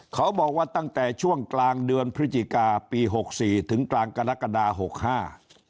เขาบอกว่าตั้งแต่ช่วงกลางเดือนพฤศจิกาปีหกสี่ถึงกลางกรกฎาหกห้า